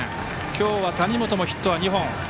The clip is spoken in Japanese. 今日は谷本もヒットは２本。